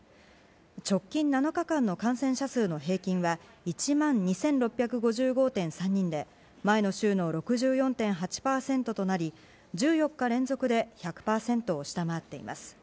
直近７日間の感染者数の平均は１万２６５５．３人で、前の週の６４．８％となり、１４日連続で１００％を下回っています。